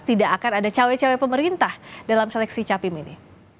tidak akan ada cawe cawe pemerintah dalam seleksi capim ini